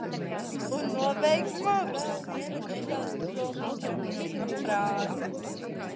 Un nobeigumā vēl viena nedaudz provokatīva frāze.